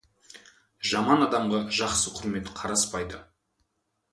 Жаман адамға жақсы құрмет қараспайды.